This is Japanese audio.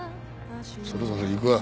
そろそろ行くわ。